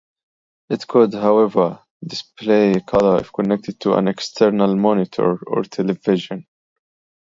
It could, however, display color if connected to an external monitor or television.